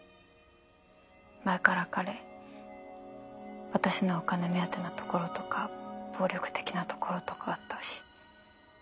前から彼私のお金目当てのところとか暴力的なところとかあったし。